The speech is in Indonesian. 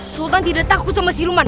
sultan tidak takut sama siluman